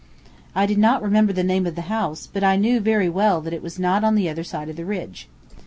I did not remember the name of the house, but I knew very well that it was not on the other side of the ridge.